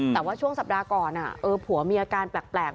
แต่ว่าช่วงสัปดาห์ก่อนผัวมีอาการแปลก